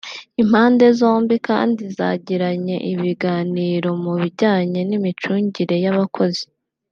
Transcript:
Impande zombi kandi zagiranye ibiganiro mu bijyanye n’imicungire y’abakozi